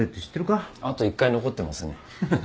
あと１回残ってますねハハハ。